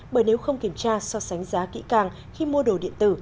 bởi nếu không kiểm tra so sánh giá kỹ càng khi mua đồ điện tử